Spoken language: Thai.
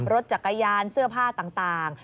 รถจักรยานเสื้อผ้าต่าง